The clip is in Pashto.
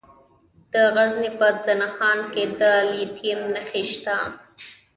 د غزني په زنه خان کې د لیتیم نښې شته.